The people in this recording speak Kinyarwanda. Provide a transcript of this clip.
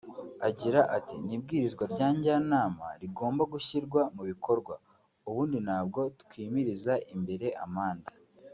Agira ati “Ni ibwirizwa rya Njyanama rigomba gushyirwa mu bikorwa…ubundi ntabwo twimiriza imbere amande